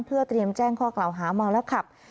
เพื่อเตรียมแจ้งข้อเกลาหามองและขับ